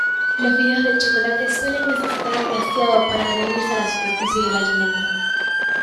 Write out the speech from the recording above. Los fideos de chocolate suelen necesitar glaseado para adherirse a la superficie del alimento.